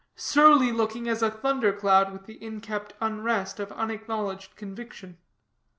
Surly looking as a thundercloud with the inkept unrest of unacknowledged conviction.